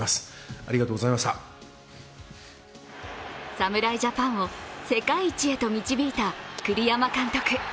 侍ジャパンを世界一へと導いた栗山監督。